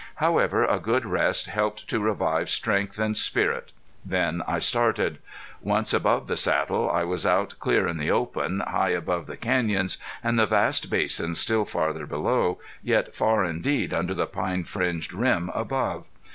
However, a good rest helped to revive strength and spirit. Then I started. Once above the saddle I was out clear in the open, high above the canyons, and the vast basin still farther below, yet far indeed under the pine fringed rim above.